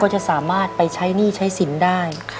จะสามารถไปใช้หนี้ใช้สินได้